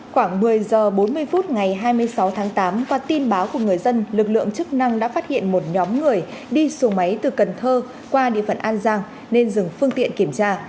khoảng một mươi h bốn mươi phút ngày hai mươi sáu tháng tám qua tin báo của người dân lực lượng chức năng đã phát hiện một nhóm người đi xuồng máy từ cần thơ qua địa phận an giang nên dừng phương tiện kiểm tra